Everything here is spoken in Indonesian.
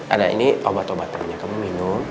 ada ini obat obatnya kamu minum